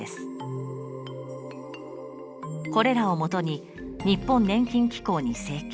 これらをもとに日本年金機構に請求。